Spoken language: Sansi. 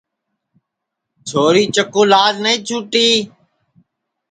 چھوری چکُو لاج نائی چُھوٹی